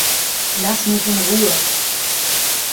Lass mich in Ruhe!